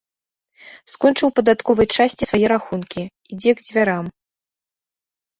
Скончыў у падатковай часці свае рахункі, ідзе к дзвярам.